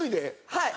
はい。